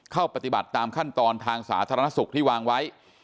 ปฏิบัติตามขั้นตอนทางสาธารณสุขที่วางไว้